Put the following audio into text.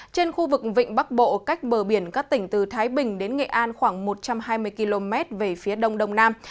trên khu vực vịnh bắc bộ cách bờ biển các tỉnh từ thái bình đến nghệ an khoảng một trăm hai mươi km về phía đông đông nam